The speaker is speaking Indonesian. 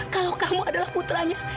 kalau kamu adalah putranya